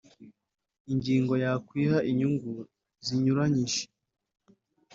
Ingingo ya Kwiha inyungu zinyuranyije